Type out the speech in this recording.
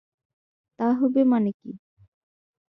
তা হবে মানে কী।